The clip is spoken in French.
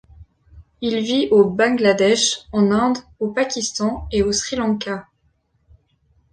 Il vit au Bangladesh, en Inde, au Pakistan et au Sri Lanka.